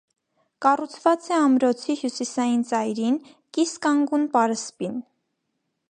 Կառուցված է ամրոցի հյուսիսային ծայրին, կիս կանգուն պարսպին։